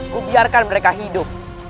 kubiarkan mereka hidup